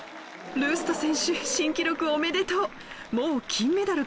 ルスト選手新記録おめでとう！